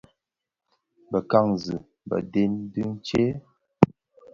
Bekangi bëdhen dhi tsè?